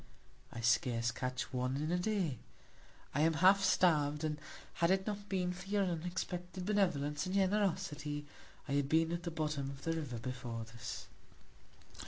I scarce catch one in a Day; I am half starv'd; and had it not been for your unexpected Benevolence and Generosity, I had been at the Bottom of the River before this.